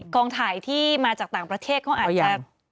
กองถ่ายที่มาจากต่างประเทศเขาอาจจะ